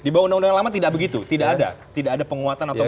di bawah undang undang yang lama tidak begitu tidak ada tidak ada penguatan atau